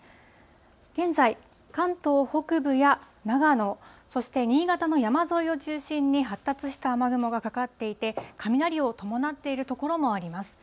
現在、関東北部や長野、そして新潟の山沿いを中心に発達した雨雲がかかっていて、雷を伴っている所もあります。